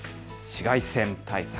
紫外線対策。